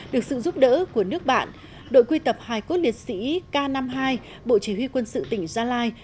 được sự giúp đỡ của nước bạn đội quy tập hải cốt liệt sĩ k năm mươi hai bộ chỉ huy quân sự tỉnh gia lai